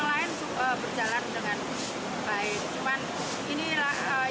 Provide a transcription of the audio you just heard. cuman ini lah